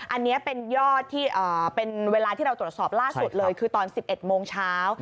อันนี้เป็นยอดที่เป็นเวลาที่เราตรวจสอบล่าสุดเลยคือตอน๑๑โมงเช้า